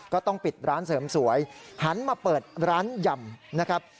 ก็ต้องปิดร้านเสริมสวยหันมาเปิดร้านยำนะครับ